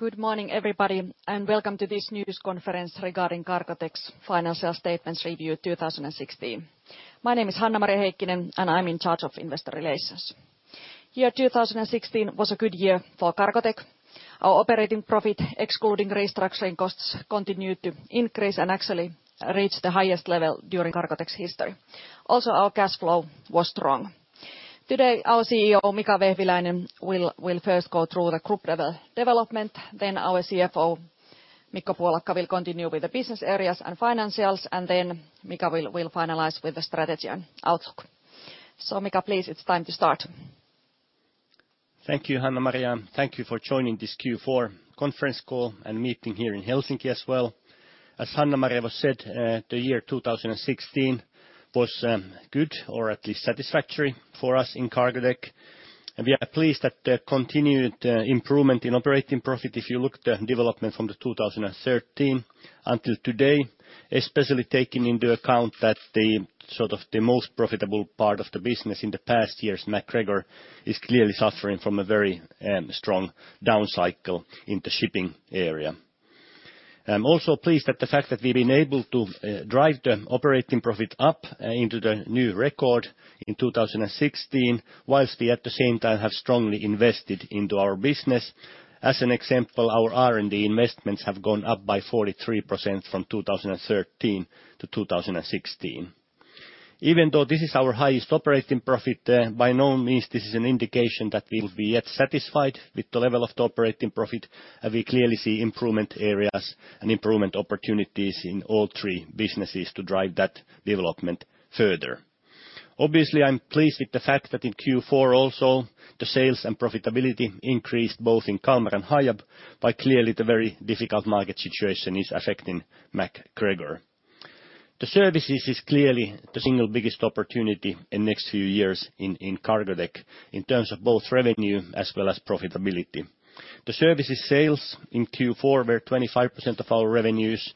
Good morning, everybody, and welcome to this news conference regarding Cargotec's Financial Statements Review 2016. My name is Hanna-Maria Heikkinen, and I'm in charge of investor relations. Year 2016 was a good year for Cargotec. Our operating profit, excluding restructuring costs, continued to increase and actually reached the highest level during Cargotec's history. Also, our cash flow was strong. Today, our CEO, Mika Vehviläinen, will first go through the Group-level development, then our CFO, Mikko Puolakka, will continue with the business areas and financials, and then Mika will finalize with the strategy and outlook. Mika, please, it's time to start. Thank you, Hanna-Maria. Thank you for joining this Q4 conference call and meeting here in Helsinki as well. As Hanna-Maria has said, the year 2016 was good or at least satisfactory for us in Cargotec. We are pleased that the continued improvement in operating profit, if you look at the development from the 2013 until today, especially taking into account that the sort of the most profitable part of the business in the past years, MacGregor, is clearly suffering from a very strong down cycle in the shipping area. I'm also pleased that the fact that we've been able to drive the operating profit up into the new record in 2016, whilst we at the same time have strongly invested into our business. As an example, our R&D investments have gone up by 43% from 2013 to 2016. Even though this is our highest operating profit, by no means this is an indication that we'll be yet satisfied with the level of the operating profit. We clearly see improvement areas and improvement opportunities in all three businesses to drive that development further. Obviously, I'm pleased with the fact that in Q4 also, the sales and profitability increased both in Kalmar and Hiab, but clearly the very difficult market situation is affecting MacGregor. The services is clearly the single biggest opportunity in next few years in Cargotec in terms of both revenue as well as profitability. The services sales in Q4 were 25% of our revenues.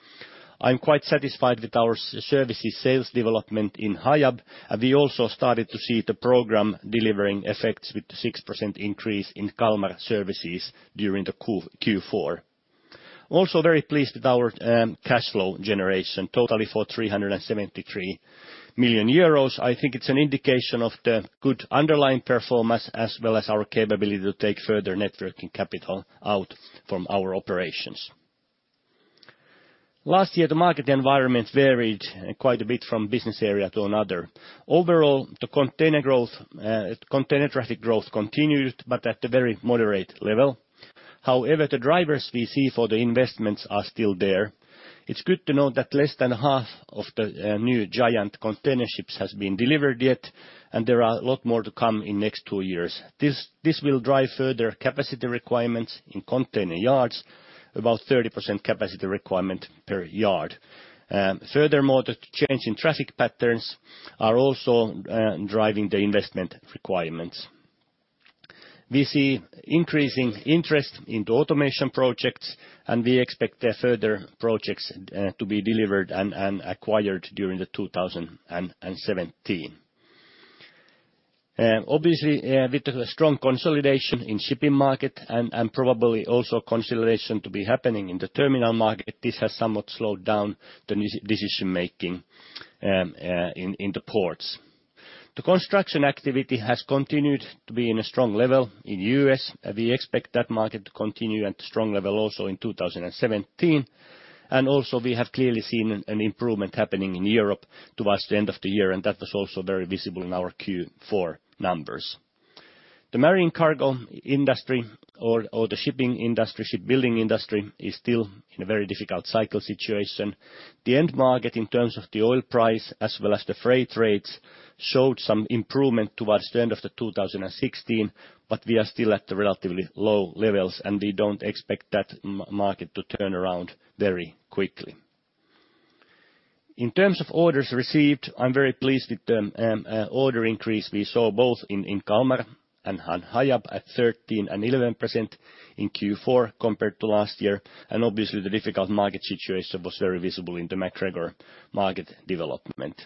I'm quite satisfied with our services sales development in Hiab, and we also started to see the program delivering effects with the 6% increase in Kalmar services during the Q-Q4. Very pleased with our cash flow generation, totally for 373 million euros. I think it's an indication of the good underlying performance as well as our capability to take further net working capital out from our operations. Last year, the market environment varied quite a bit from business area to another. Overall, the container traffic growth continued, but at a very moderate level. However, the drivers we see for the investments are still there. It's good to know that less than half of the new giant container ships has been delivered yet, and there are a lot more to come in next two years. This will drive further capacity requirements in container yards, about 30% capacity requirement per yard. Furthermore, the change in traffic patterns are also driving the investment requirements. We see increasing interest into automation projects, and we expect the further projects to be delivered and acquired during 2017. Obviously, with the strong consolidation in shipping market and probably also consolidation to be happening in the terminal market, this has somewhat slowed down the decision making in the ports. The construction activity has continued to be in a strong level in the U.S. We expect that market to continue at a strong level also in 2017. Also we have clearly seen an improvement happening in Europe towards the end of the year, and that was also very visible in our Q4 numbers. The marine cargo industry or the shipping industry, shipbuilding industry, is still in a very difficult cycle situation. The end market in terms of the oil price as well as the freight rates showed some improvement towards the end of 2016, but we are still at the relatively low levels, and we don't expect that market to turn around very quickly. In terms of orders received, I'm very pleased with the order increase we saw both in Kalmar and Hiab at 13% and 11% in Q4 compared to last year. Obviously the difficult market situation was very visible in the MacGregor market development.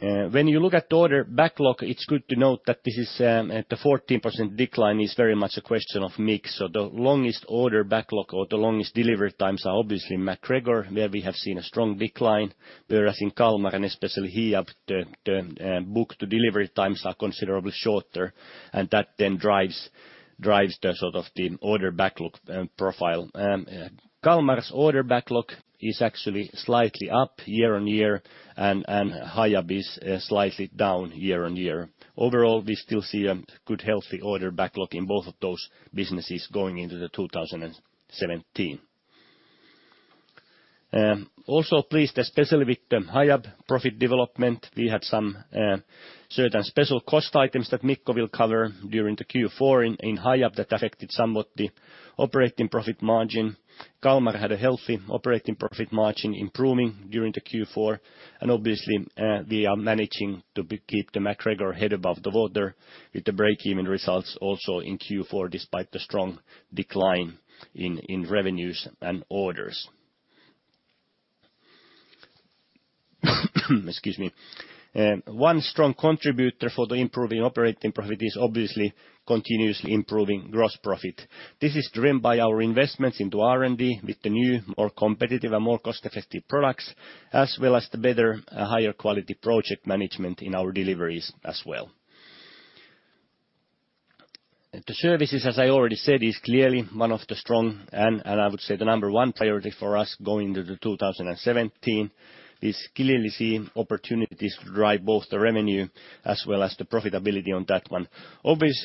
When you look at the order backlog, it's good to note that this is the 14% decline is very much a question of mix. The longest order backlog or the longest delivery times are obviously MacGregor, where we have seen a strong decline, whereas in Kalmar and especially Hiab, the book-to-delivery times are considerably shorter. That drives the sort of the order backlog profile. Kalmar's order backlog is actually slightly up year-over-year and Hiab is slightly down year-over-year. Overall, we still see a good healthy order backlog in both of those businesses going into 2017. Also pleased especially with the Hiab profit development. We had some certain special cost items that Mikko will cover during the Q4 in Hiab that affected somewhat the operating profit margin. Kalmar had a healthy operating profit margin improving during the Q4. Obviously, we are managing to keep the MacGregor head above the water with the break-even results also in Q4 despite the strong decline in revenues and orders. Excuse me. One strong contributor for the improving operating profit is obviously continuously improving gross profit. This is driven by our investments into R&D with the new, more competitive and more cost-effective products, as well as the better, higher quality project management in our deliveries as well. The services, as I already said, is clearly one of the strong, and I would say the number one priority for us going into 2017. This clearly seem opportunities to drive both the revenue as well as the profitability on that one.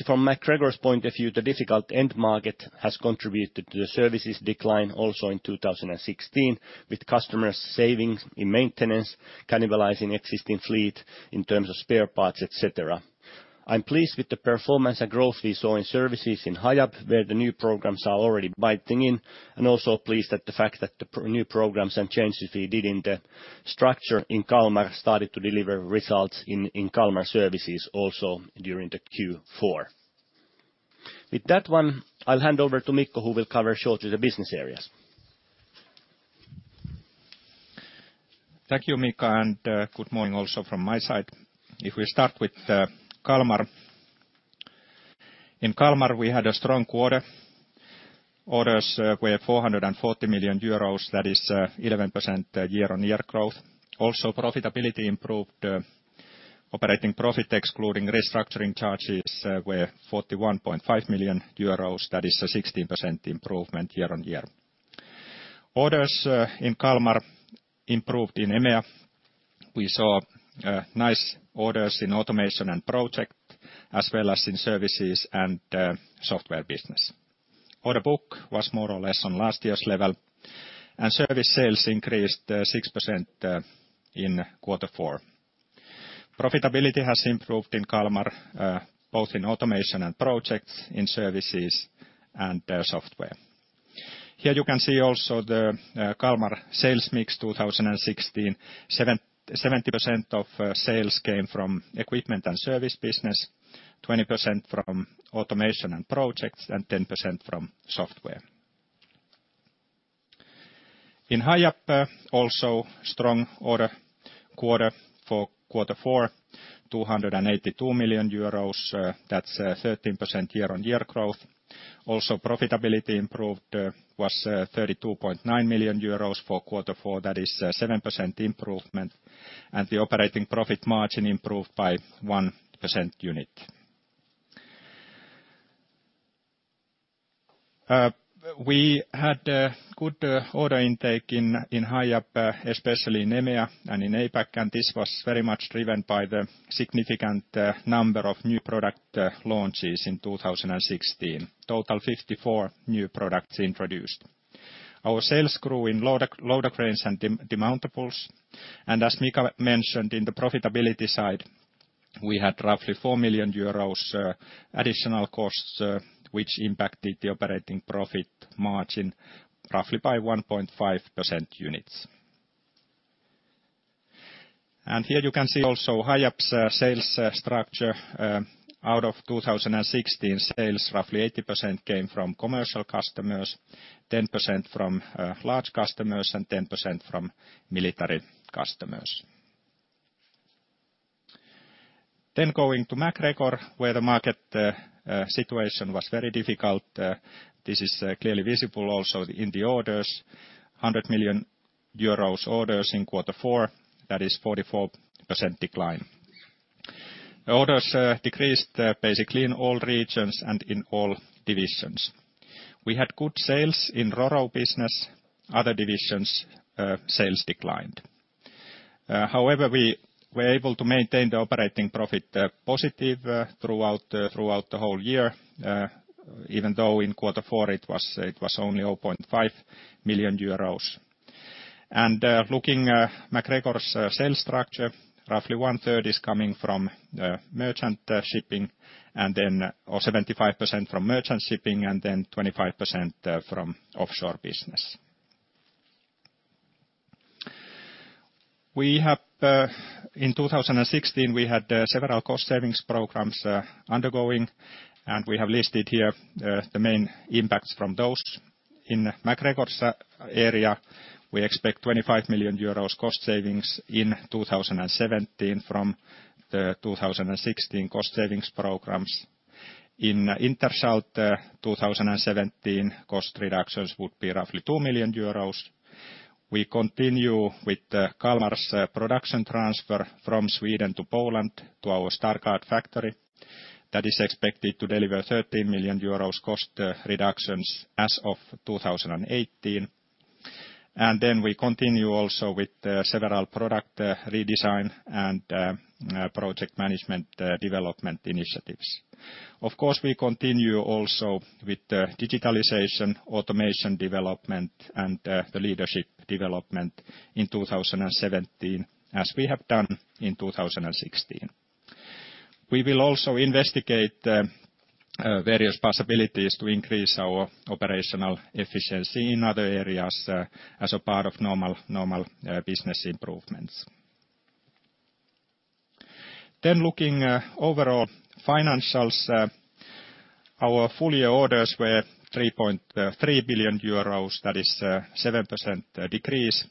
From MacGregor's point of view, the difficult end market has contributed to the services decline also in 2016, with customers saving in maintenance, cannibalizing existing fleet in terms of spare parts, et cetera. I'm pleased with the performance and growth we saw in services in Hiab, where the new programs are already biting in, and also pleased at the fact that the new programs and changes we did in the structure in Kalmar started to deliver results in Kalmar services also during the Q4. With that one, I'll hand over to Mikko, who will cover shortly the business areas. Thank you, Mika. Good morning also from my side. If we start with Kalmar. In Kalmar, we had a strong quarter. Orders were 440 million euros, that is 11% year-on-year growth. Profitability improved, operating profit excluding restructuring charges, were 41.5 million euros. That is a 16% improvement year-on-year. Orders in Kalmar improved in EMEA. We saw nice orders in automation and project, as well as in services and software business. Order book was more or less on last year's level, service sales increased 6% in quarter four. Profitability has improved in Kalmar, both in automation and projects, in services and software. Here you can see also the Kalmar sales mix 2016. 70% of sales came from equipment and service business, 20% from automation and projects, and 10% from software. In Hiab, also strong order quarter for quarter four, 282 million euros. That's 13% year-on-year growth. Also, profitability improved, was 32.9 million euros for quarter four. That is a 7% improvement, and the operating profit margin improved by 1 percent unit. We had a good order intake in Hiab, especially in EMEA and in APAC, and this was very much driven by the significant number of new product launches in 2016. Total 54 new products introduced. Our sales grew in loader cranes and demountables. As Mika mentioned in the profitability side, we had roughly 4 million euros additional costs, which impacted the operating profit margin roughly by 1.5 percent units. Here you can see also Hiab's sales structure. Out of 2016 sales, roughly 80% came from commercial customers, 10% from large customers, and 10% from military customers. Going to MacGregor, where the market situation was very difficult. This is clearly visible also in the orders. 100 million euros orders in quarter four, that is 44% decline. The orders decreased basically in all regions and in all divisions. We had good sales in RoRo business. Other divisions' sales declined. However, we were able to maintain the operating profit positive throughout the whole year, even though in quarter four it was only 0.5 million euros. Looking MacGregor's sales structure, roughly 1/3 is coming from merchant shipping and then or 75% from merchant shipping and then 25% from offshore business. We have in 2016, we had several cost savings programs undergoing, we have listed here the main impacts from those. In MacGregor's area, we expect 25 million euros cost savings in 2017 from the 2016 cost savings programs. In INTERSCHALT, 2017 cost reductions would be roughly 2 million euros. We continue with Kalmar's production transfer from Sweden to Poland, to our Stargard factory. That is expected to deliver 13 million euros cost reductions as of 2018. We continue also with several product redesign and project management development initiatives. Of course, we continue also with digitalization, automation development and the leadership development in 2017, as we have done in 2016. We will also investigate various possibilities to increase our operational efficiency in other areas as a part of normal business improvements. Looking overall financials, our full year orders were 3.3 billion euros. That is a 7% decrease,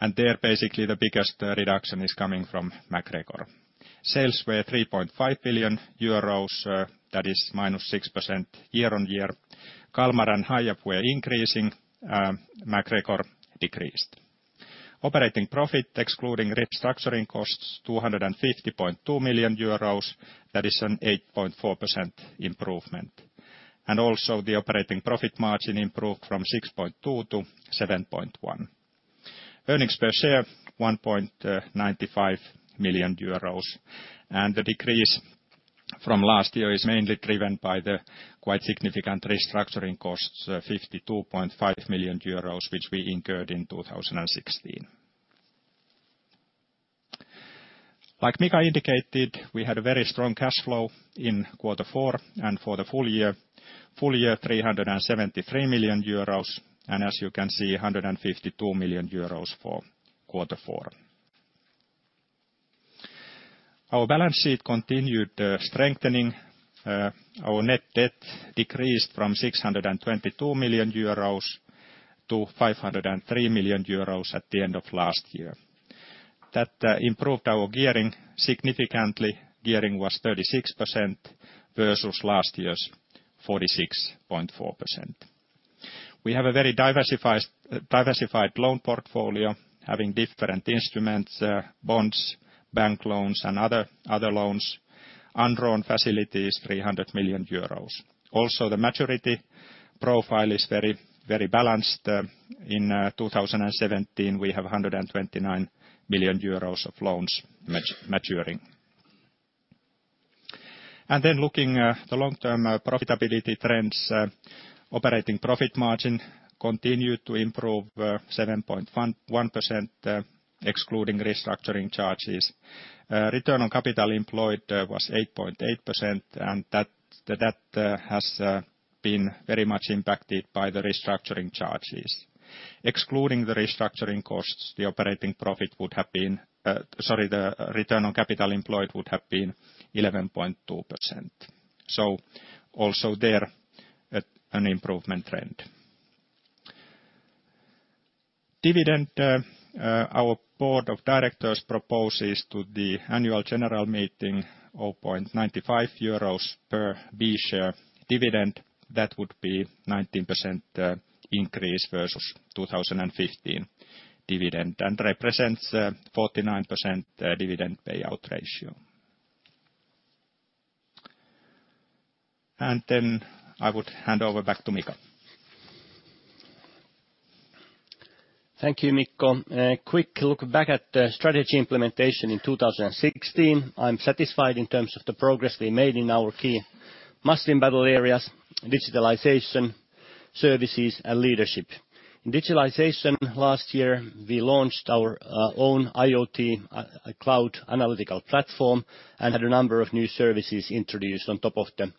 and there basically the biggest reduction is coming from MacGregor. Sales were 3.5 billion euros, that is -6% year-on-year. Kalmar and Hiab were increasing, MacGregor decreased. Operating profit excluding restructuring costs, 250.2 million euros, that is an 8.4% improvement. Also the operating profit margin improved from 6.2% to 7.1%. Earnings per share, 1.95 million euros, the decrease from last year is mainly driven by the quite significant restructuring costs, 52.5 million euros, which we incurred in 2016. Like Mika indicated, we had a very strong cash flow in quarter four and for the full year, 373 million euros, as you can see, 152 million euros for quarter four. Our balance sheet continued strengthening. Our net debt decreased from 622 million euros to 503 million euros at the end of last year. That improved our gearing significantly. Gearing was 36% versus last year's 46.4%. We have a very diversified loan portfolio having different instruments, bonds, bank loans, and other loans. Undrawn facility is 300 million euros. The maturity profile is very balanced. In 2017, we have 129 million euros of loans maturing. Looking the long-term profitability trends, operating profit margin continued to improve, 7.11%, excluding restructuring charges. Return on Capital Employed was 8.8%, and that has been very much impacted by the restructuring charges. Excluding the restructuring costs, the operating profit would have been, sorry, the Return on Capital Employed would have been 11.2%. Also there, an improvement trend. Dividend, our board of directors proposes to the annual general meeting 0.95 euros per B-share dividend. That would be 19% increase versus 2015 dividend, and represents 49% dividend payout ratio. I would hand over back to Mika. Thank you, Mikko. A quick look back at the strategy implementation in 2016. I'm satisfied in terms of the progress we made in our key must-win battle areas: digitalization, services, and leadership. In digitalization last year, we launched our own IoT cloud analytical platform and had a number of new services introduced on top of the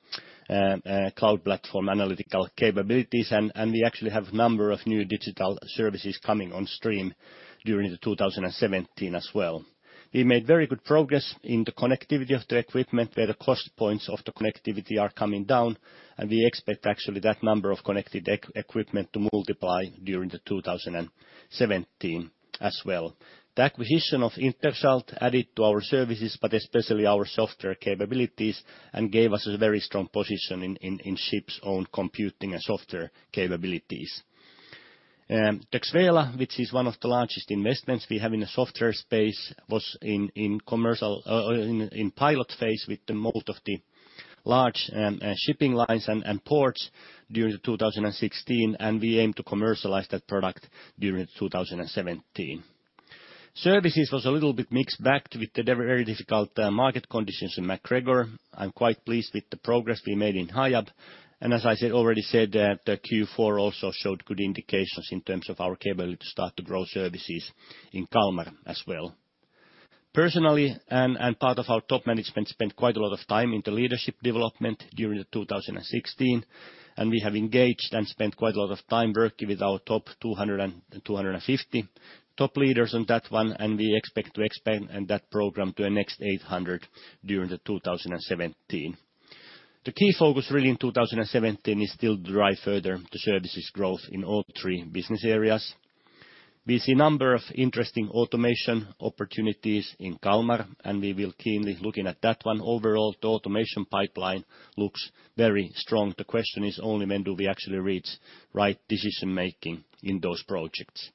cloud platform analytical capabilities. We actually have number of new digital services coming on stream during 2017 as well. We made very good progress in the connectivity of the equipment, where the cost points of the connectivity are coming down, and we expect actually that number of connected equipment to multiply during 2017 as well. The acquisition of INTERSCHALT added to our services, but especially our software capabilities and gave us a very strong position in ship's own computing and software capabilities. XVELA, which is one of the largest investments we have in the software space, was in pilot phase with the most of the large shipping lines and ports during 2016, and we aim to commercialize that product during 2017. Services was a little bit mixed bag with the very difficult market conditions in MacGregor. I'm quite pleased with the progress we made in Hiab. As I said, already said, the Q4 also showed good indications in terms of our ability to start to grow services in Kalmar as well. Personally, and part of our top management spent quite a lot of time into leadership development during 2016, and we have engaged and spent quite a lot of time working with our top 200 and 250 top leaders on that one, and we expect to expand that program to a next 800 during 2017. The key focus really in 2017 is still drive further the services growth in all three business areas. We see a number of interesting automation opportunities in Kalmar. We will keenly looking at that one. Overall, the automation pipeline looks very strong. The question is only when do we actually reach right decision-making in those projects.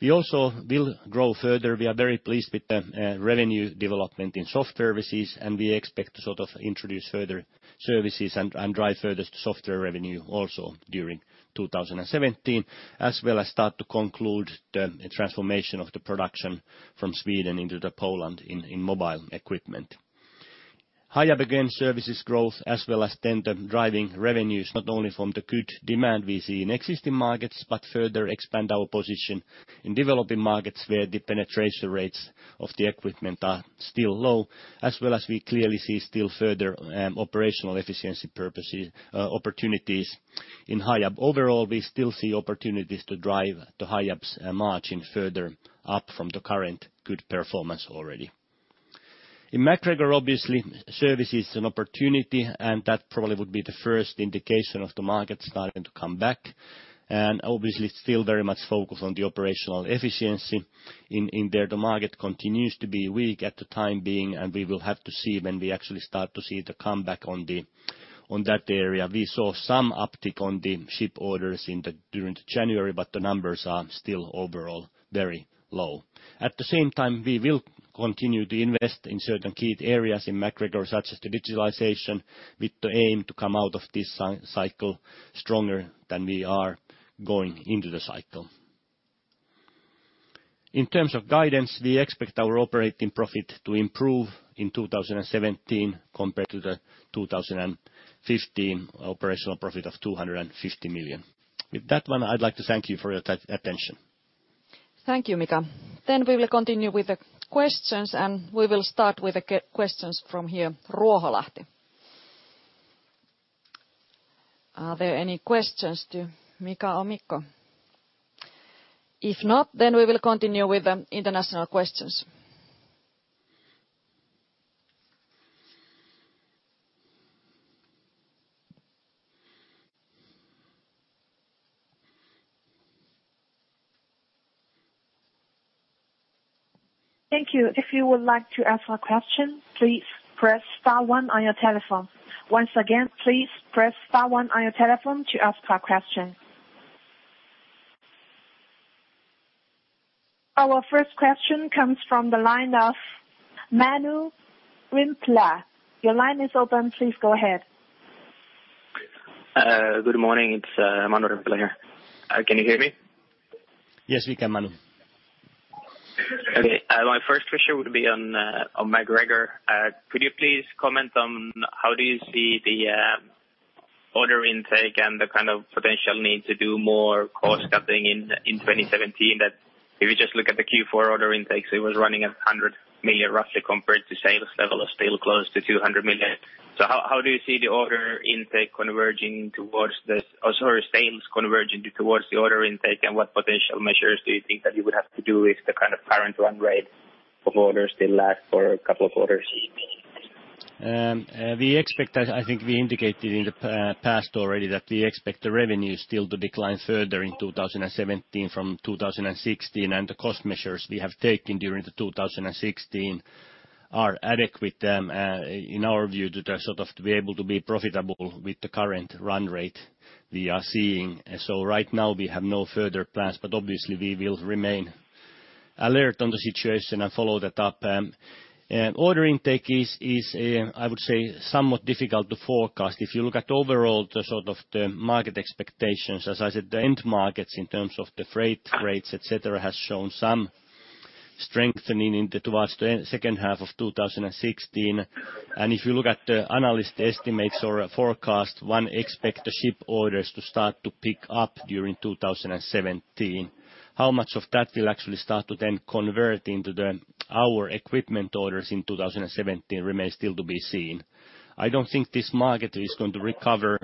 We also will grow further. We are very pleased with the revenue development in software services, and we expect to sort of introduce further services and drive further software revenue also during 2017, as well as start to conclude the transformation of the production from Sweden into Poland in mobile equipment. Hiab, again, services growth as well as then the driving revenues, not only from the good demand we see in existing markets, but further expand our position in developing markets where the penetration rates of the equipment are still low, as well as we clearly see still further operational efficiency opportunities in Hiab. Overall, we still see opportunities to drive the Hiab's margin further up from the current good performance already. In MacGregor, obviously, service is an opportunity, and that probably would be the first indication of the market starting to come back. Obviously, still very much focused on the operational efficiency in there. The market continues to be weak at the time being. We will have to see when we actually start to see the comeback on that area. We saw some uptick on the ship orders during January. The numbers are still overall very low. At the same time, we will continue to invest in certain key areas in MacGregor, such as the digitalization, with the aim to come out of this cycle stronger than we are going into the cycle. In terms of guidance, we expect our operating profit to improve in 2017 compared to the 2015 operational profit of 250 million. With that one, I'd like to thank you for your attention. Thank you, Mika. We will continue with the questions, and we will start with the questions from here, Ruoholahti. Are there any questions to Mika or Mikko? If not, we will continue with the international questions. Thank you. If you would like to ask a question, please press star one on your telephone. Once again, please press star one on your telephone to ask a question. Our first question comes from the line of Manu Rimpelä. Your line is open. Please go ahead. Good morning. It's Manu Rimpelä here. Can you hear me? Yes, we can, Manu. Okay. My first question would be on MacGregor. Could you please comment on how do you see the order intake and the kind of potential need to do more cost cutting in 2017 that if you just look at the Q4 order intakes, it was running at 100 million roughly compared to sales level of still close to 200 million. How do you see sales converging towards the order intake, and what potential measures do you think that you would have to do if the kind of current run rate of orders still last for a couple of quarters? We expect as, I think, we indicated in the past already that we expect the revenue still to decline further in 2017 from 2016. The cost measures we have taken during 2016 are adequate in our view to just sort of to be able to be profitable with the current run rate we are seeing. Right now we have no further plans, but obviously we will remain alert on the situation and follow that up. Order intake is, I would say somewhat difficult to forecast. If you look at overall the sort of the market expectations, as I said, the end markets in terms of the freight rates, et cetera, has shown some strengthening towards the end second half of 2016. If you look at the analyst estimates or forecast, one expect the ship orders to start to pick up during 2017. How much of that will actually start to then convert into our equipment orders in 2017 remains still to be seen. I don't think this market is going to recover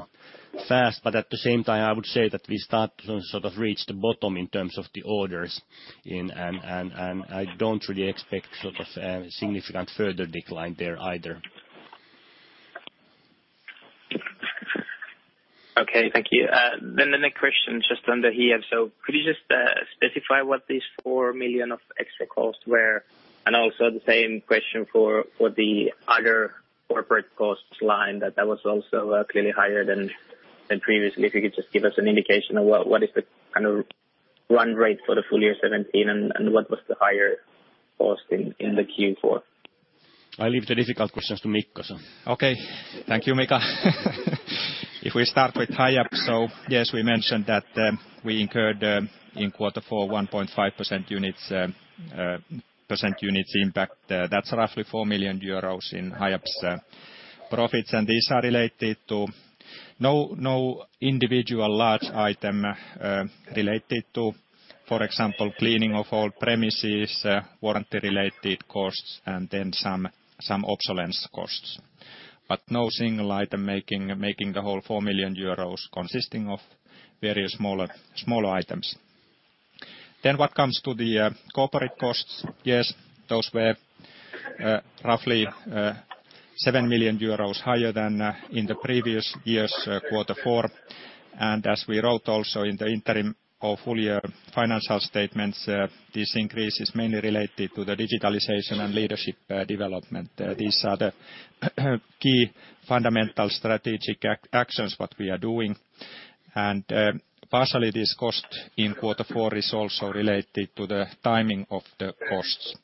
fast, but at the same time, I would say that we start to sort of reach the bottom in terms of the orders in. I don't really expect sort of significant further decline there either. Okay, thank you. The next question just under here. Could you just specify what these 4 million of extra costs were? Also the same question for the other corporate costs line that was also clearly higher than previously. If you could just give us an indication of what is the kind of run rate for the full year 2017, and what was the higher cost in the Q4? I leave the difficult questions to Mikko. Thank you, Mika. If we start with Hiab. Yes, we mentioned that we incurred in quarter four 1.5% units impact. That's roughly 4 million euros in Hiab's profits. These are related to no individual large item related to, for example, cleaning of all premises, warranty-related costs, and some obsolescence costs. No single item making the whole 4 million euros consisting of various smaller items. What comes to the corporate costs? Those were roughly 7 million euros higher than in the previous year's quarter four. As we wrote also in the interim of full year financial statements, this increase is mainly related to the digitalization and leadership development. These are the key fundamental strategic actions what we are doing. Partially this cost in quarter four is also related to the timing of the costs.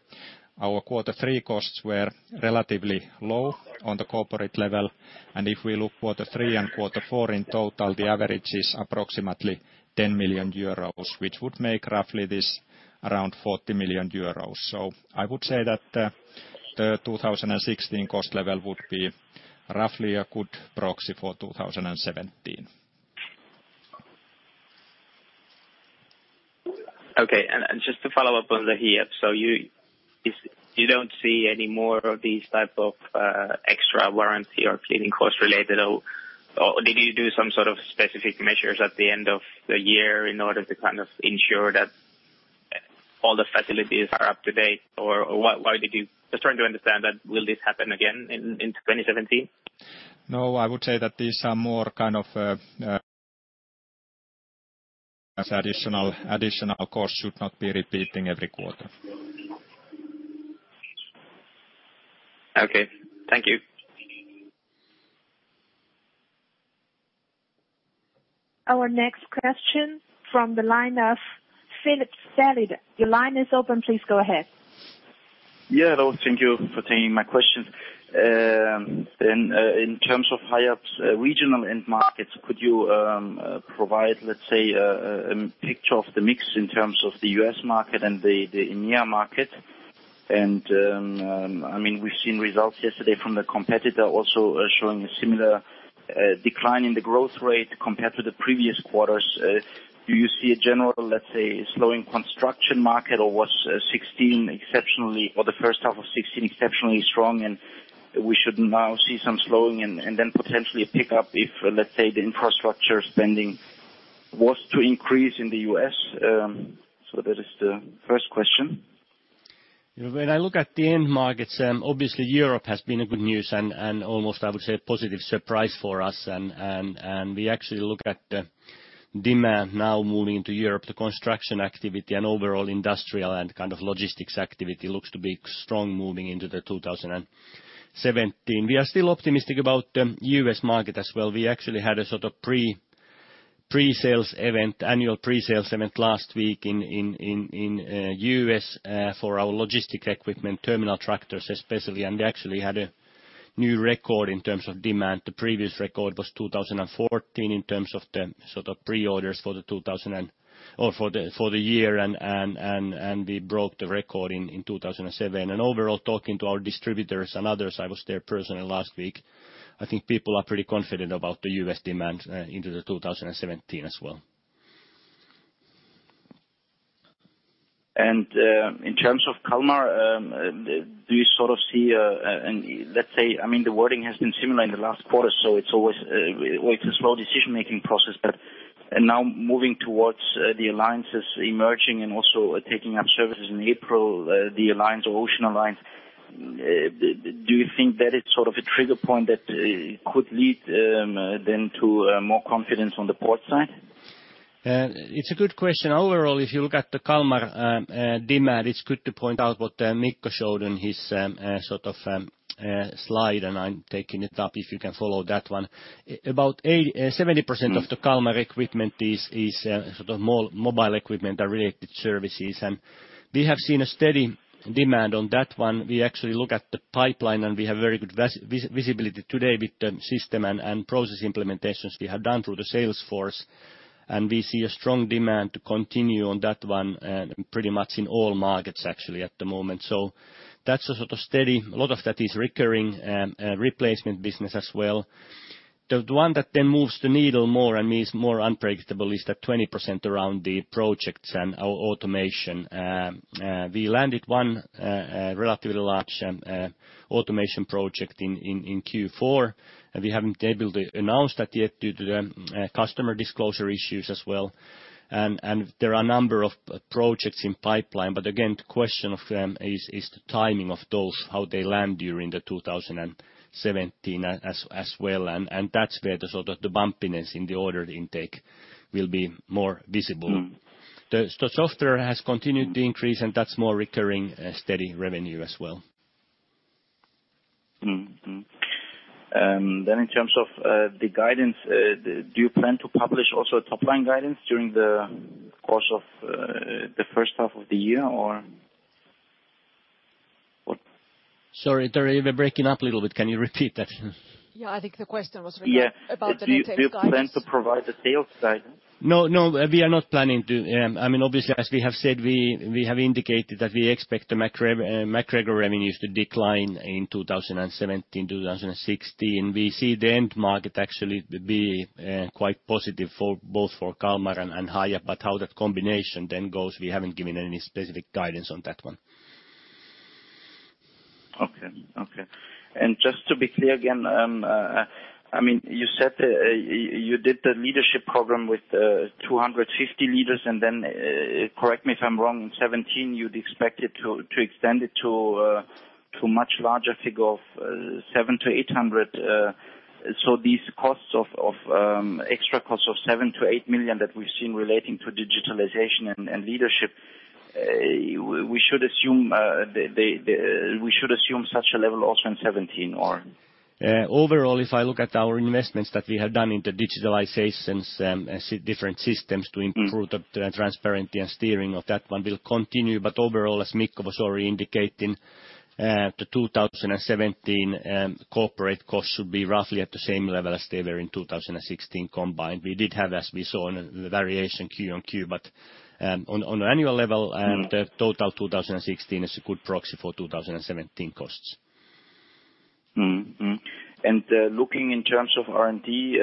Our quarter three costs were relatively low on the corporate level, and if we look quarter three and quarter four in total, the average is approximately 10 million euros, which would make roughly this around 40 million euros. I would say that the 2016 cost level would be roughly a good proxy for 2017. Okay. Just to follow up on here. You don't see any more of these type of extra warranty or cleaning costs related or did you do some sort of specific measures at the end of the year in order to kind of ensure that all the facilities are up to date, or why did you, just trying to understand that will this happen again in 2017? No, I would say that these are more kind of, as additional costs should not be repeating every quarter. Okay. Thank you. Our next question from the line of Philip Saliba. Your line is open. Please go ahead. Yeah. Hello. Thank you for taking my question. Then, in terms of Hiab's regional end markets, could you provide, let's say, a picture of the mix in terms of the US market and the India market? I mean, we've seen results yesterday from the competitor also showing a similar decline in the growth rate compared to the previous quarters. Do you see a general, let's say, slowing construction market, or was 2016 exceptionally strong, or the first half of 2016 exceptionally strong, and we should now see some slowing and then potentially a pickup if, let's say, the infrastructure spending was to increase in the US? That is the first question. When I look at the end markets, obviously Europe has been a good news and almost, I would say, a positive surprise for us. We actually look at the demand now moving into Europe, the construction activity and overall industrial and kind of logistics activity looks to be strong moving into 2017. We are still optimistic about the U.S. market as well. We actually had a sort of pre-sales event, annual pre-sales event last week in U.S. for our logistic equipment terminal tractors, especially. They actually had a new record in terms of demand. The previous record was 2014 in terms of the sort of pre-orders for the 2000... Or for the year, we broke the record in 2007. Overall, talking to our distributors and others, I was there personally last week, I think people are pretty confident about the US demand, into 2017 as well. In terms of Kalmar, do you sort of see, and let's say, I mean, the wording has been similar in the last quarter, so it's always, well, it's a slow decision-making process, but, and now moving towards the alliances emerging and also taking up services in April, the alliance or Ocean Alliance, do you think that it's sort of a trigger point that could lead then to more confidence on the port side? It's a good question. Overall, if you look at the Kalmar demand, it's good to point out what Mikko showed in his sort of slide, and I'm taking it up, if you can follow that one. About 8, 70% of the Kalmar equipment is sort of mobile equipment and related services. We have seen a steady demand on that one. We actually look at the pipeline, and we have very good visibility today with the system and process implementations we have done through the sales force. We see a strong demand to continue on that one, pretty much in all markets actually at the moment. That's a sort of steady. A lot of that is recurring replacement business as well. The one that then moves the needle more and is more unpredictable is that 20% around the projects and our automation. We landed one relatively large automation project in Q4. We haven't been able to announce that yet due to the customer disclosure issues as well. There are a number of projects in pipeline. Again, the question of them is the timing of those, how they land during the 2017 as well. That's where the sort of the bumpiness in the order intake will be more visible. Mm-hmm. The software has continued to increase, and that's more recurring, steady revenue as well. In terms of the guidance, do you plan to publish also top-line guidance during the course of the first half of the year, or what? Sorry, Terry, we're breaking up a little bit. Can you repeat that? Yeah. I think the question was about the retail guidance. Do you plan to provide the sales guidance? No, no, we are not planning to. I mean, obviously, as we have said, we have indicated that we expect the MacGregor revenues to decline in 2017, 2016. We see the end market actually be quite positive for both Kalmar and Hiab. How that combination then goes, we haven't given any specific guidance on that one. Okay. Okay. Just to be clear again, I mean, you said you did the leadership program with 250 leaders, correct me if I'm wrong, in 2017, you'd expect it to extend it to much larger figure of 700-800. These costs of extra costs of 7 million-8 million that we've seen relating to digitalization and leadership, we should assume such a level also in 2017 or? Overall, if I look at our investments that we have done in the digitalizations, as different systems to improve the transparency and steering of that one will continue. Overall, as Mikko was already indicating, the 2017 corporate costs should be roughly at the same level as they were in 2016 combined. We did have, as we saw, the variation Q on Q, but on an annual level and the total 2016 is a good proxy for 2017 costs. Looking in terms of R&D,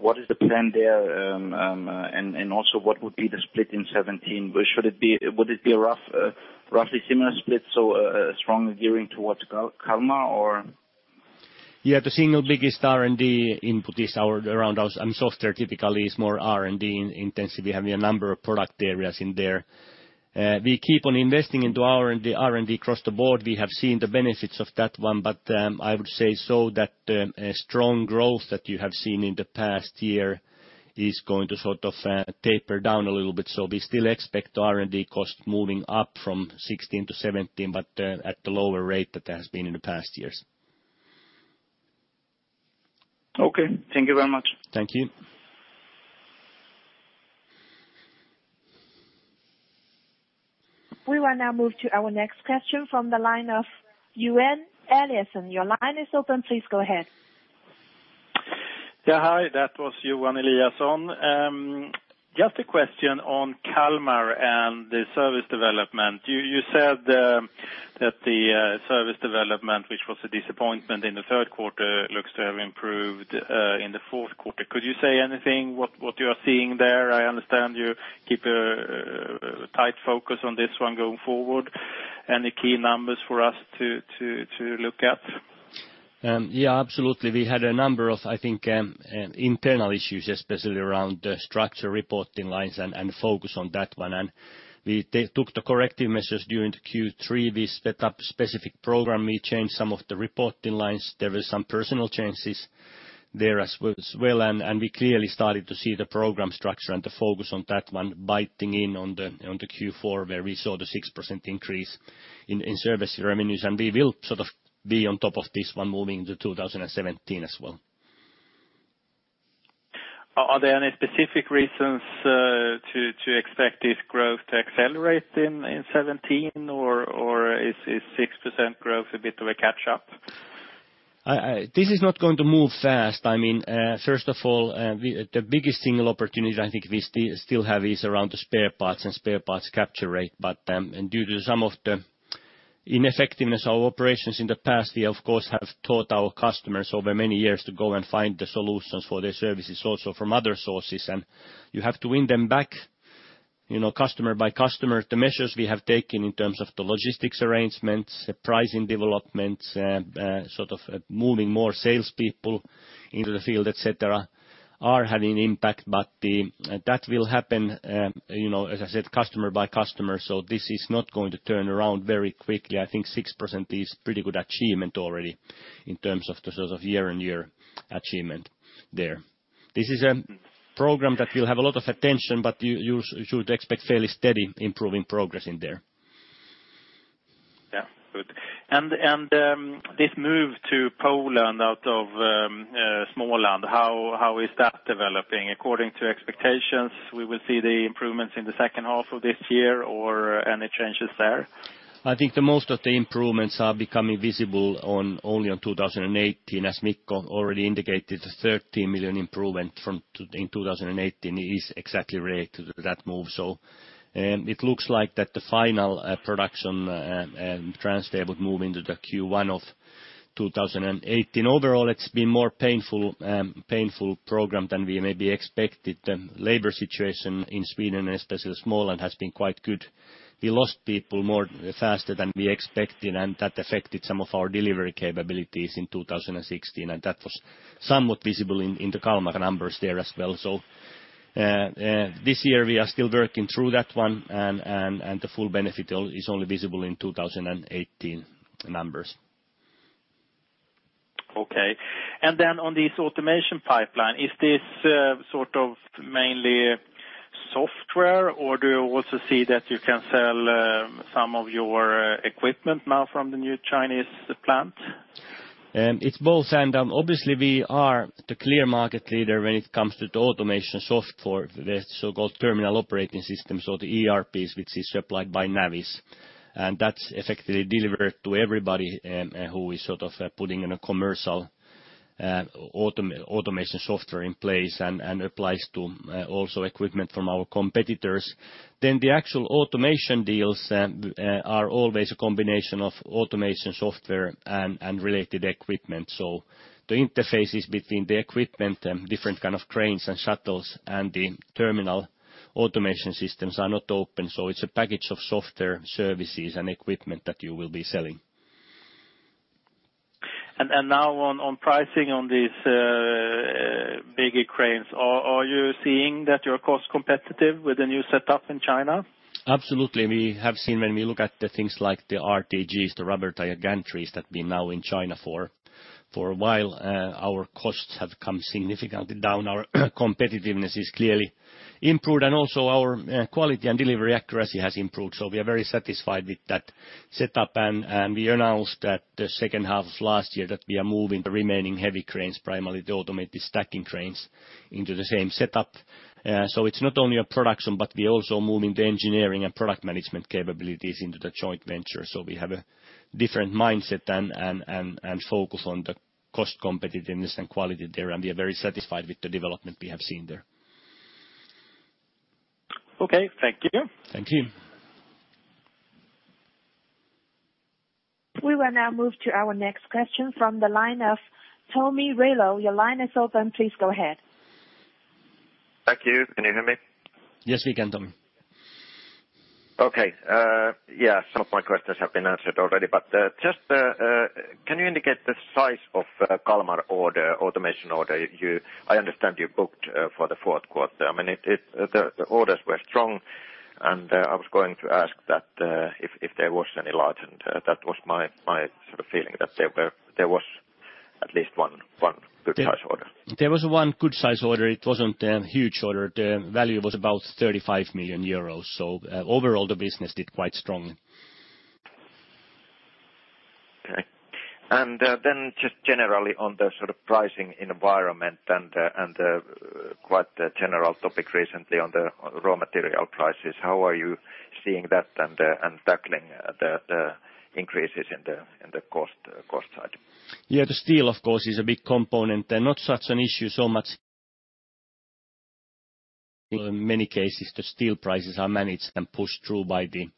what is the plan there, also what would be the split in 17? Would it be a rough, roughly similar split, so, a strong gearing towards Kalmar or? The single biggest R&D input is our, around our, software typically is more R&D in intensity. We have a number of product areas in there. We keep on investing into R&D across the board. We have seen the benefits of that one, but I would say so that a strong growth that you have seen in the past year is going to sort of taper down a little bit. We still expect R&D costs moving up from 2016 to 2017, but at the lower rate that it has been in the past years. Okay. Thank you very much. Thank you. We will now move to our next question from the line of Johan Eliason. Your line is open. Please go ahead. Yeah. Hi, that was Johan Eliason. Just a question on Kalmar and the service development. You said that the service development, which was a disappointment in the third quarter, looks to have improved in the fourth quarter. Could you say anything what you are seeing there? I understand you keep a tight focus on this one going forward. Any key numbers for us to look at? Yeah. Absolutely. We had a number of, I think, internal issues, especially around the structure reporting lines and focus on that one. We took the corrective measures during the Q3. We set up specific program. We changed some of the reporting lines. There were some personal changes there as well, and we clearly started to see the program structure and the focus on that one biting in on the Q4, where we saw the 6% increase in service revenues. We will sort of be on top of this one moving into 2017 as well. Are there any specific reasons to expect this growth to accelerate in 2017 or is 6% growth a bit of a catch-up? I, this is not going to move fast. I mean, the biggest single opportunity I think we still have is around the spare parts and spare parts capture rate. Due to some of the ineffectiveness of operations in the past, we of course have taught our customers over many years to go and find the solutions for their services also from other sources. You have to win them back, you know, customer by customer. The measures we have taken in terms of the logistics arrangements, the pricing developments, sort of moving more sales people into the field, et cetera, are having impact. That will happen, you know, as I said, customer by customer, this is not going to turn around very quickly. I think 6% is pretty good achievement already in terms of the sort of year-on-year achievement there. This is a program that will have a lot of attention. You should expect fairly steady improving progress in there. Yeah. Good. This move to Poland out of Småland, how is that developing? According to expectations, we will see the improvements in the second half of this year, or any changes there? I think the most of the improvements are becoming visible only on 2018. As Mikko already indicated, the 30 million improvement in 2018 is exactly related to that move. It looks like that the final production transfer would move into the Q1 of 2018. Overall, it's been more painful program than we maybe expected. The labor situation in Sweden, especially Småland, has been quite good. We lost people more faster than we expected, and that affected some of our delivery capabilities in 2016, and that was somewhat visible in the Kalmar numbers there as well. This year we are still working through that one and the full benefit is only visible in 2018 numbers. Okay. On this automation pipeline, is this sort of mainly software or do you also see that you can sell some of your equipment now from the new Chinese plant? It's both. Obviously we are the clear market leader when it comes to the automation software, the so-called Terminal Operating Systems or the ERPs, which is supplied by Navis. That's effectively delivered to everybody who is sort of putting in a commercial automation software in place and applies to also equipment from our competitors. The actual automation deals are always a combination of automation software and related equipment. The interfaces between the equipment and different kind of cranes and shuttles and the terminal automation systems are not open. It's a package of software services and equipment that you will be selling. Now on pricing on these big cranes, are you seeing that you're cost competitive with the new setup in China? Absolutely. We have seen when we look at the things like the RTGs, the rubber tyred gantries that've been now in China for a while, our costs have come significantly down. Our competitiveness is clearly improved, also our quality and delivery accuracy has improved. We are very satisfied with that setup. We announced that the second half of last year that we are moving the remaining heavy cranes, primarily the automated stacking cranes, into the same setup. It's not only a production, but we're also moving the engineering and product management capabilities into the joint venture. We have a different mindset and focus on the cost competitiveness and quality there, we are very satisfied with the development we have seen there. Okay. Thank you. Thank you. We will now move to our next question from the line of Tomi Riionheimo. Your line is open. Please go ahead. Thank you. Can you hear me? Yes, we can Tom. Okay. Yeah, some of my questions have been answered already, just can you indicate the size of Kalmar order, automation order, I understand you booked for the fourth quarter. I mean, the orders were strong. I was going to ask that if there was any large, that was my sort of feeling that there was at least one good size order. There was one good size order. It wasn't a huge order. The value was about 35 million euros. Overall, the business did quite strongly. Okay. Then just generally on the sort of pricing environment and the, and the quite the general topic recently on the raw material prices, how are you seeing that and tackling the increases in the cost side? Yeah. The steel, of course, is a big component and not such an issue so much in many cases the steel prices are managed and pushed through by the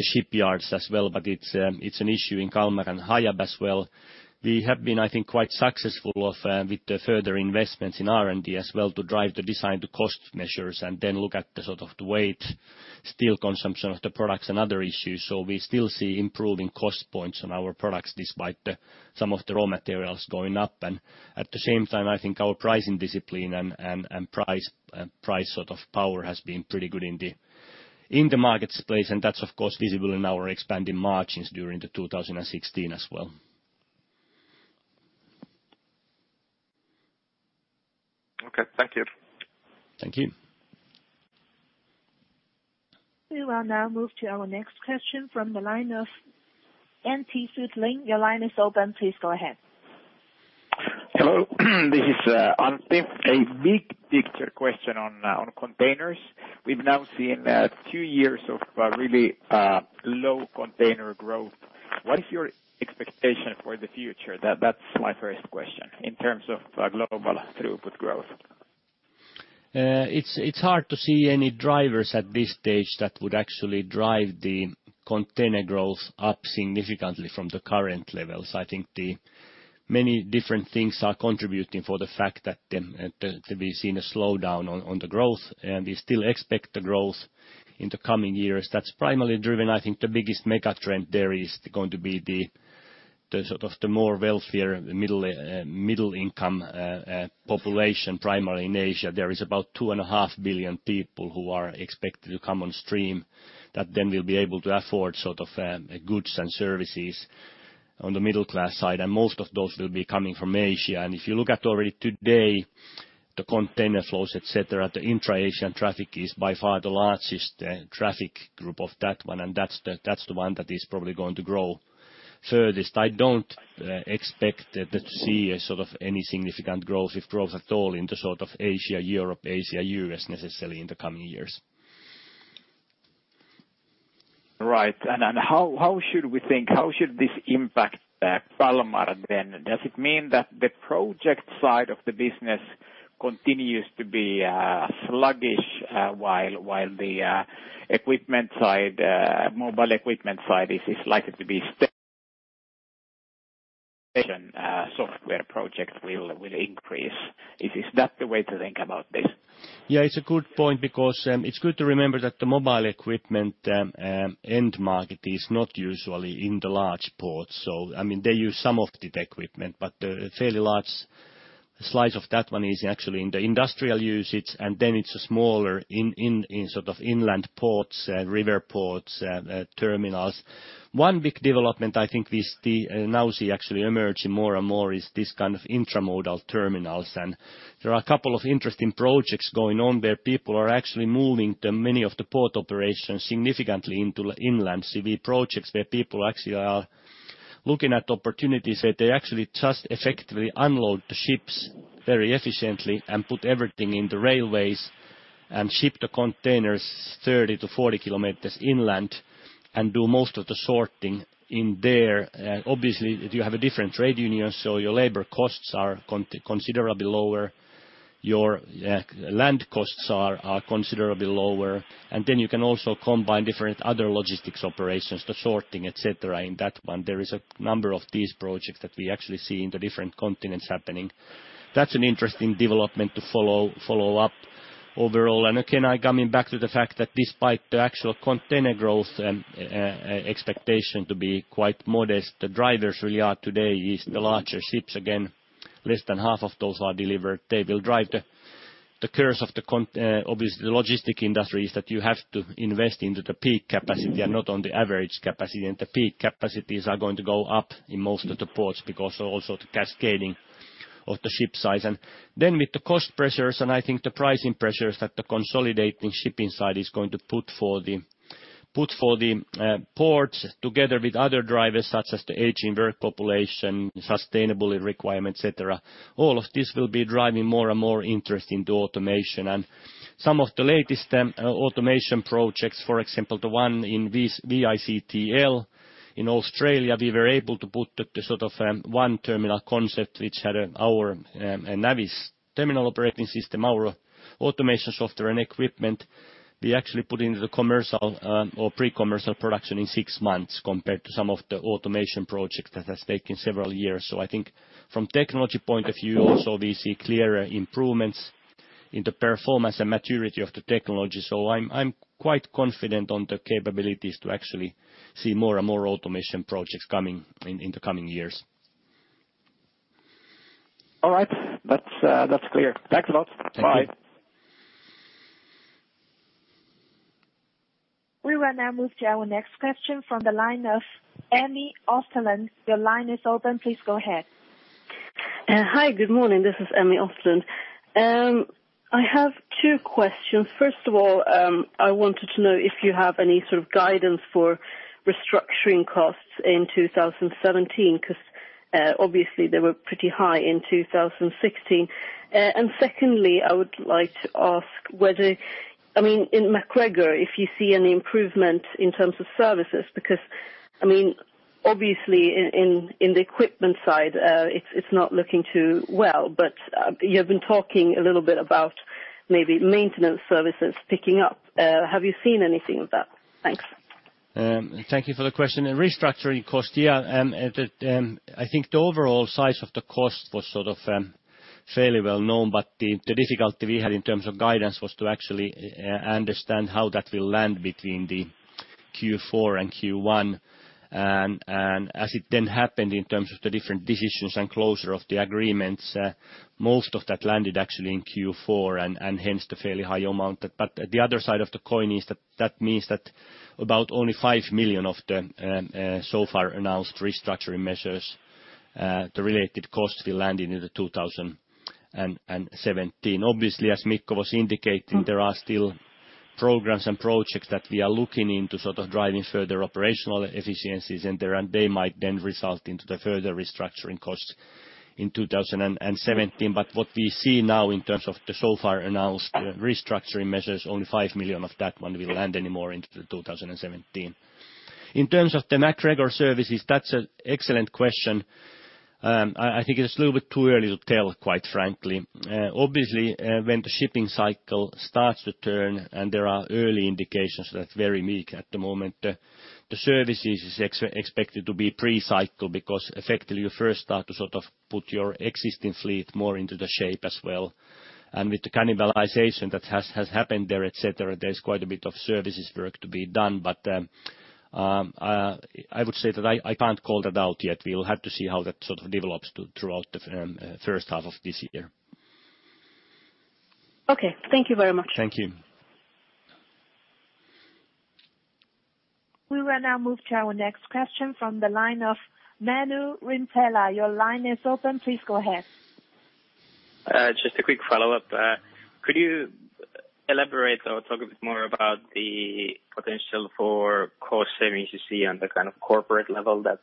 shipyards as well. It's an issue in Kalmar and Hiab as well. We have been, I think, quite successful of with the further investments in R&D as well to drive the design, the cost measures, and then look at the sort of the weight, steel consumption of the products and other issues. We still see improving cost points on our products despite the some of the raw materials going up. At the same time, I think our pricing discipline and price sort of power has been pretty good in the market space, and that's of course visible in our expanding margins during 2016 as well. Okay. Thank you. Thank you. We will now move to our next question from the line of Antti Suttelin. Your line is open. Please go ahead. Hello. This is Antti Suttelin. A big picture question on containers. We've now seen two years of really low container growth. What is your expectation for the future? That's my first question in terms of global throughput growth. It's hard to see any drivers at this stage that would actually drive the container growth up significantly from the current levels. I think the many different things are contributing for the fact that we've seen a slowdown on the growth, and we still expect the growth in the coming years. That's primarily driven. I think the biggest mega trend there is going to be the sort of the more wealthier middle income population, primarily in Asia. There is about 2.5 billion people who are expected to come on stream that then will be able to afford sort of goods and services on the middle class side. Most of those will be coming from Asia. If you look at already today, the container flows, et cetera, the intra-Asian traffic is by far the largest, traffic group of that one. That's the one that is probably going to grow furthest. I don't expect to see a sort of any significant growth, if growth at all in the sort of Asia-Europe, Asia-US necessarily in the coming years. Right. How should we think? How should this impact Kalmar then? Does it mean that the project side of the business continues to be sluggish while the equipment side, mobile equipment side is likely to be software project will increase? Is that the way to think about this? It's a good point because it's good to remember that the mobile equipment end market is not usually in the large ports. I mean, they use some of the equipment, but fairly large slice of that one is actually in the industrial usage, and then it's smaller in, in sort of inland ports, river ports, terminals. One big development I think now see actually emerging more and more is this kind of intermodal terminals. There are a couple of interesting projects going on where people are actually moving the many of the port operations significantly into inland city projects, where people actually are looking at opportunities, where they actually just effectively unload the ships very efficiently and put everything in the railways and ship the containers 30-40 kilometers inland and do most of the sorting in there. Obviously you have a different trade union, so your labor costs are considerably lower. Your land costs are considerably lower. Then you can also combine different other logistics operations, the sorting, et cetera, in that one. There is a number of these projects that we actually see in the different continents happening. That's an interesting development to follow up overall. Again, I coming back to the fact that despite the actual container growth expectation to be quite modest, the drivers really are today is the larger ships again. Less than half of those are delivered. They will drive the curse of obviously the logistic industries that you have to invest into the peak capacity and not on the average capacity. The peak capacities are going to go up in most of the ports because also the cascading of the ship size. With the cost pressures and I think the pricing pressures that the consolidating shipping side is going to put for the ports together with other drivers such as the aging work population, sustainable requirement, et cetera. All of this will be driving more and more interest into automation and some of the latest automation projects, for example, the one in VICTL in Australia, we were able to put the sort of one Terminal Operating System concept which had our Navis Terminal Operating System, our automation software and equipment. We actually put into the commercial or pre-commercial production in six months compared to some of the automation projects that has taken several years. I think from technology point of view also we see clearer improvements in the performance and maturity of the technology. I'm quite confident on the capabilities to actually see more and more automation projects coming in the coming years. All right. That's, that's clear. Thanks a lot. Bye. Thank you. We will now move to our next question from the line of Emi Österlund. Your line is open. Please go ahead. Hi, good morning. This is Emi Österlund. I have 2 questions. First of all, I wanted to know if you have any sort of guidance for restructuring costs in 2017, 'cause obviously they were pretty high in 2016. Secondly, I would like to ask, I mean, in MacGregor, if you see any improvement in terms of services, because, I mean, obviously in the equipment side, it's not looking too well. You have been talking a little bit about maybe maintenance services picking up. Have you seen anything of that? Thanks. Thank you for the question. In restructuring cost, at the, I think the overall size of the cost was sort of, fairly well known. The difficulty we had in terms of guidance was to actually understand how that will land between the Q4 and Q1. As it then happened in terms of the different decisions and closure of the agreements, most of that landed actually in Q4 and hence the fairly high amount. The other side of the coin is that means that about only 5 million of the so far announced restructuring measures, the related costs will land into 2017. Obviously, as Mikko was indicating- Mm. There are still programs and projects that we are looking into sort of driving further operational efficiencies in there, and they might then result into the further restructuring costs in 2017. What we see now in terms of the so far announced restructuring measures, only 5 million of that one will land anymore into the 2017. In terms of the MacGregor services, that's an excellent question. I think it's a little bit too early to tell, quite frankly. Obviously, when the shipping cycle starts to turn, and there are early indications that's very meek at the moment, the services is expected to be pre-cycle because effectively you first start to sort of put your existing fleet more into the shape as well. With the cannibalization that has happened there, et cetera, there's quite a bit of services work to be done. I would say that I can't call that out yet. We'll have to see how that sort of develops throughout the first half of this year. Okay. Thank you very much. Thank you. We will now move to our next question from the line of Antti Rintakoski. Your line is open. Please go ahead. Just a quick follow-up. Could you elaborate or talk a bit more about the potential for cost savings you see on the kind of corporate level that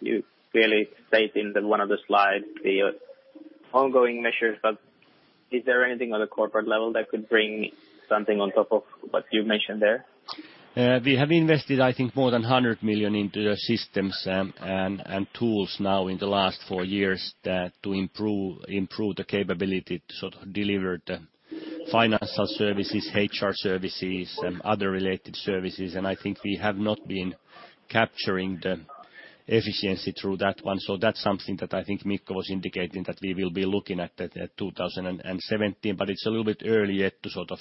you clearly state in the one of the slides, the ongoing measures. Is there anything on the corporate level that could bring something on top of what you've mentioned there? We have invested, I think, more than 100 million into the systems and tools now in the last 4 years, to improve the capability to sort of deliver the financial services, HR services and other related services. I think we have not been capturing the efficiency through that one. That's something that I think Mikko was indicating that we will be looking at 2017, but it's a little bit early yet to sort of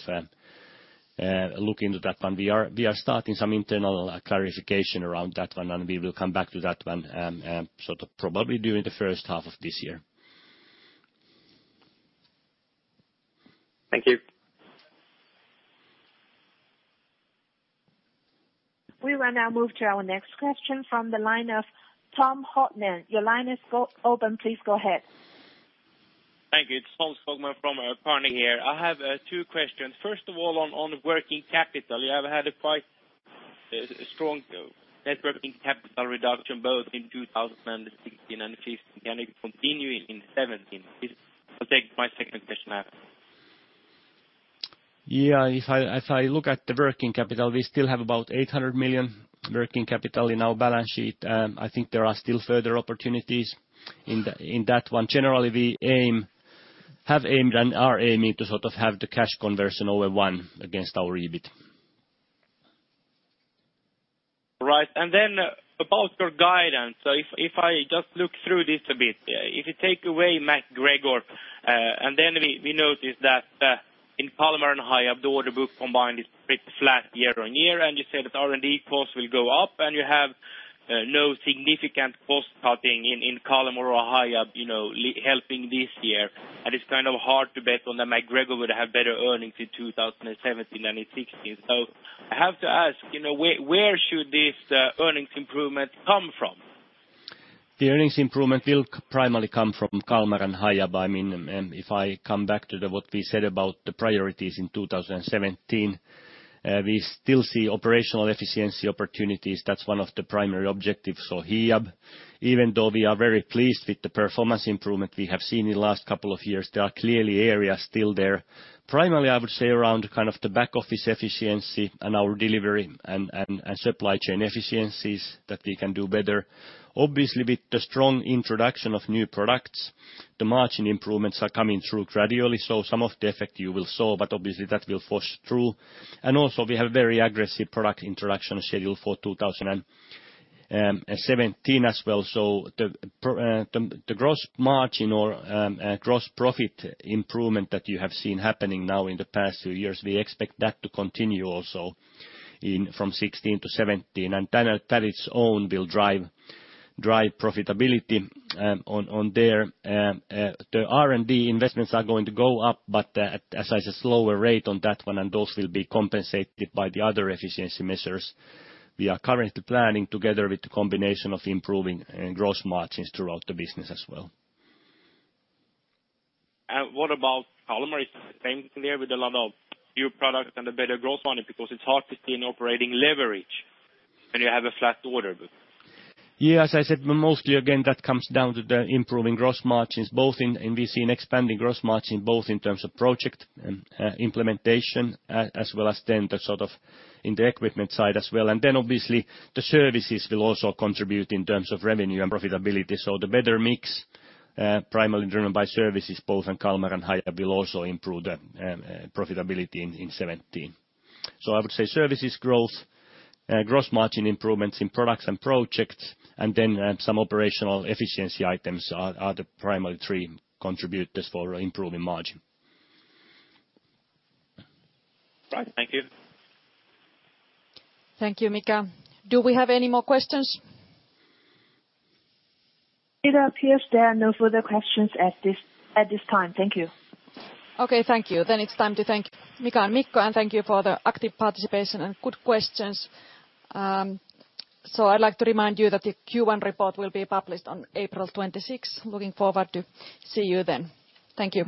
look into that one. We are starting some internal clarification around that one, and we will come back to that one, sort of probably during the first half of this year. Thank you. We will now move to our next question from the line of Tom Hartman. Your line is open. Please go ahead. Thank you. It's Tom Hartman from Kearney here. I have two questions. First of all, on working capital. You have had a quite strong net working capital reduction both in 2016 and 2015, and it continuing in 2017. I'll take my second question after. If I look at the working capital, we still have about 800 million working capital in our balance sheet. I think there are still further opportunities in that one. Generally, we aim, have aimed and are aiming to sort of have the cash conversion over one against our EBIT. Right. About your guidance. If I just look through this a bit. If you take away MacGregor, and then we notice that in Kalmar and Hiab, the order book combined is pretty flat year-on-year, and you say that R&D costs will go up, and you have no significant cost cutting in Kalmar or Hiab, you know, helping this year. It's kind of hard to bet on that MacGregor would have better earnings in 2017 than in 2016. I have to ask, you know, where should this earnings improvement come from? The earnings improvement will primarily come from Kalmar and Hiab. I mean, if I come back to what we said about the priorities in 2017, we still see operational efficiency opportunities. That's one of the primary objectives for Hiab. Even though we are very pleased with the performance improvement we have seen in the last couple of years, there are clearly areas still there. Primarily, I would say around kind of the back office efficiency and our delivery and supply chain efficiencies that we can do better. Obviously, with the strong introduction of new products, the margin improvements are coming through gradually. Some of the effect you will saw, but obviously that will force through. Also we have a very aggressive product introduction schedule for 2017 as well. The gross margin or gross profit improvement that you have seen happening now in the past few years, we expect that to continue also from 16 to 17. That its own will drive profitability on there. The R&D investments are going to go up, but as I said, slower rate on that one, and those will be compensated by the other efficiency measures we are currently planning together with the combination of improving gross margins throughout the business as well. What about Kalmar? Is it same there with a lot of new products and a better growth on it? Because it's hard to see an operating leverage when you have a flat order book. As I said, mostly again, that comes down to the improving gross margins. We've seen expanding gross margin both in terms of project and implementation, as well as the sort of in the equipment side as well. Obviously the services will also contribute in terms of revenue and profitability. The better mix, primarily driven by services both in Kalmar and Hiab will also improve the profitability in 2017. I would say services growth, gross margin improvements in products and projects, and some operational efficiency items are the primary three contributors for improving margin. Right. Thank you. Thank you, Mika. Do we have any more questions? It appears there are no further questions at this time. Thank you. Okay. Thank you. It's time to thank Mika and Mikko, and thank you for the active participation and good questions. I'd like to remind you that the Q1 report will be published on April 26th. Looking forward to see you then. Thank you.